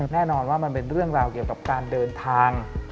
แน่นอนว่ามันเป็นเรื่องราวเกี่ยวกับการเดินทาง